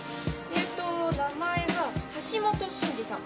えっと名前が橋本慎二さん。